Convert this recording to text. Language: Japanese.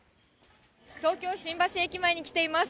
東京・新橋駅前に来ています。